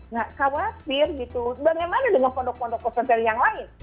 nggak khawatir gitu bagaimana dengan pondok pondok pesantren yang lain